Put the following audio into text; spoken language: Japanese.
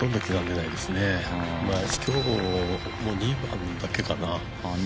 今日は２番だけかな。